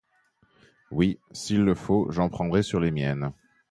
Oui, s'il le faut, j'en prendrai sur les miennes.